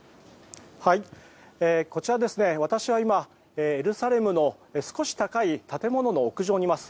こちら、私は今エルサレムの少し高い建物の屋上にいます。